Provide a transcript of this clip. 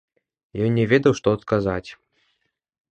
Ён не ведаў, што адказаць.